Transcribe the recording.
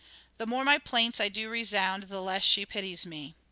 " The more my plaints I do resound The less she pities me."